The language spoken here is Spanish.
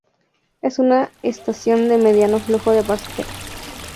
Es una estación de mediano flujo de pasajeros.